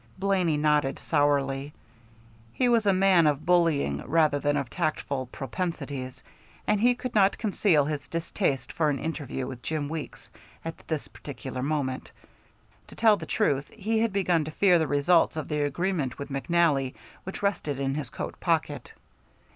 Blaney nodded sourly. He was a man of bullying rather than of tactful propensities and he could not conceal his distaste for an interview with Jim Weeks at this particular moment. To tell the truth, he had begun to fear the results of the agreement with McNally which rested in his coat pocket.